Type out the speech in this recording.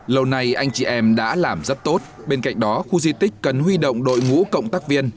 lâu nay anh chị em đã làm rất tốt bên cạnh đó khu di tích cần huy động đội ngũ cộng tác viên